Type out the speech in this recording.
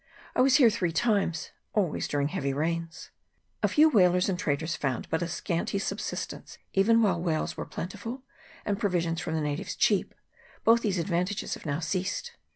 I was here three times, always during heavy rains. A few whalers and traders found but a scanty subsistence even while whales were plentiful and provisions from the natives cheap ; both these advantages have now ceased.